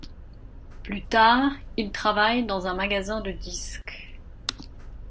Plus tard il travaille dans un magasin de disques.